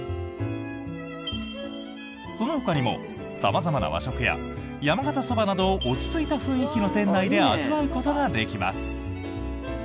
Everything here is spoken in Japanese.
そのほかにも、様々な和食や山形そばなどを落ち着いた雰囲気の店内で味わうことができます。